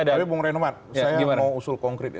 tapi bung renomar saya mau usul konkret